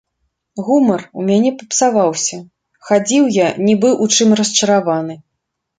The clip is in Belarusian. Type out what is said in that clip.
Гумар у мяне папсаваўся, хадзіў я нібы ў чым расчараваны.